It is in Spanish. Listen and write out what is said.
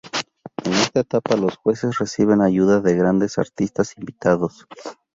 En esta etapa, los jueces reciben ayuda de grandes artistas invitados.